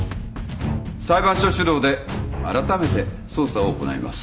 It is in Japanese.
裁判所主導であらためて捜査を行います。